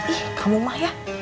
ih kamu mah ya